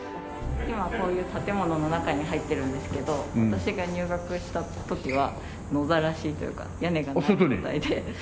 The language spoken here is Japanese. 今こういう建物の中に入ってるんですけど私が入学した時は野ざらしというか屋根がない状態で。